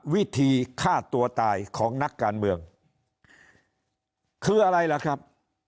วิธีฆ่าตัวตายของนักการเมืองคืออะไรล่ะครับ